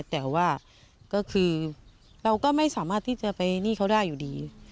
แต่ว่าก็คือเราก็ไม่สามารถที่จะไปหนี้เขาได้อยู่ดี